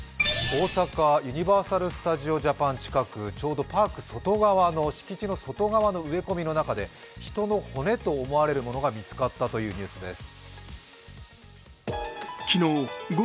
大阪・ユニバーサル・スタジオ・ジャパン近く、ちょうどパークの敷地の外側の植え込みの中で人の骨と思われるものが見つかったというニュースです。